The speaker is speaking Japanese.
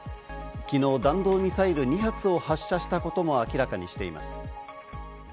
昨日、弾道ミサイル２発を発射したことも明らかにしています。